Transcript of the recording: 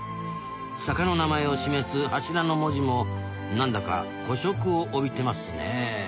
坂の名前を示す柱の文字も何だか古色を帯びてますね